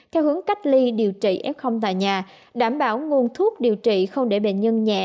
theo hướng cách ly điều trị f tại nhà đảm bảo nguồn thuốc điều trị không để bệnh nhân nhẹ